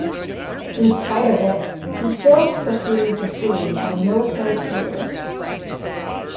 In spite of it, he still pursues his dream of a military career.